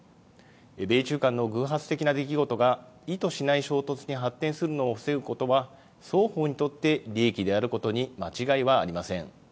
米中間の偶発的な出来事が意図しない衝突に発展するのを防ぐことは、双方にとって利益であることに間違いはありません。